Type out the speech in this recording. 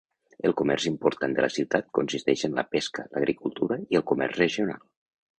El comerç important de la ciutat consisteix en la pesca, l'agricultura i el comerç regional.